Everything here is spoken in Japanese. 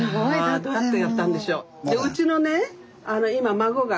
どうやってやったんでしょう。